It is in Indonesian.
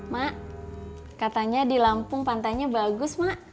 mak katanya di lampung pantainya bagus mak